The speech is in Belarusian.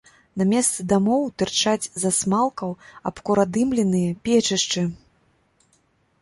На месцы дамоў тырчаць з асмалкаў абкуродымленыя печышчы.